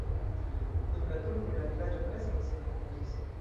Dum la turkoj la vilaĝo preskaŭ senhomiĝis.